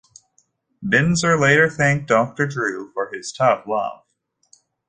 Binzer later thanked Doctor Drew for his tough love.